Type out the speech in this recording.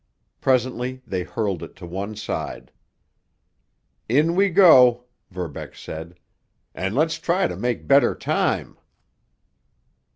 Presently they hurled it to one side. "In we go!" Verbeck said. "And let's try to make better time!"